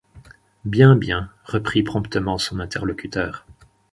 Bien, bien, reprit promptement son interlocuteur.